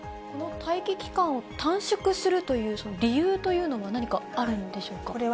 この待機期間を短縮するという、その理由というのは、何かあるんでしょうか？